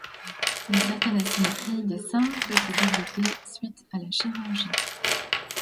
Une certaine asymétrie des seins peut se développer suite à la chirurgie.